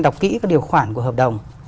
đọc kỹ các điều khoản của hợp đồng